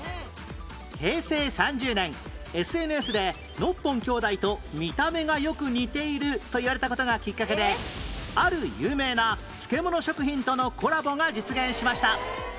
平成３０年 ＳＮＳ でノッポン兄弟と見た目がよく似ているといわれた事がきっかけである有名な漬物食品とのコラボが実現しました